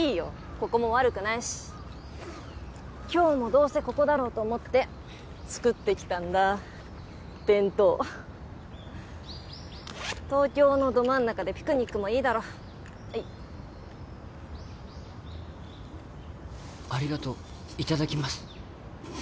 ここも悪くないし今日もどうせここだろうと思って作ってきたんだ弁当東京のド真ん中でピクニックもいいだろはいありがとういただきます